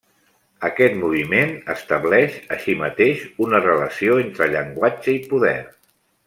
Aquest moviment estableix, així mateix, una relació entre llenguatge i poder.